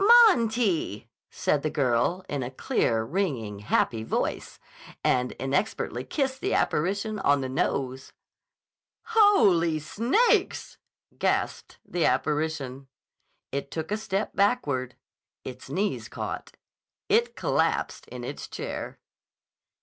"Monty!" said the girl in a clear, ringing, happy voice, and inexpertly kissed the apparition on the nose. "Holy Snakes!" gasped the apparition. It took a step backward. Its knees caught. It collapsed in its chair.